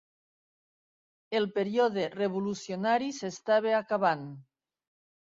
El període revolucionari s'estava acabant